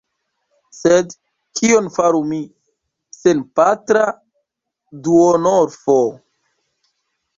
Sed kion faru mi, senpatra duonorfo?